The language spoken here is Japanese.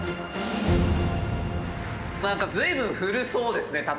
なんか随分古そうですね